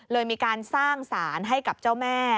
เลยมีการสร้างสารให้กับเจ้าแม่